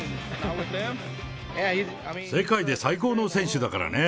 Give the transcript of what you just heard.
世界で最高の選手だからね。